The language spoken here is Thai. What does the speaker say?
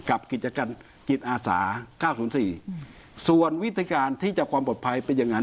กิจการจิตอาสา๙๐๔ส่วนวิธีการที่จะความปลอดภัยเป็นอย่างนั้น